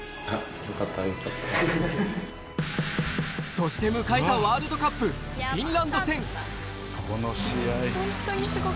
そして迎えたワールドカップ、フィンランド戦。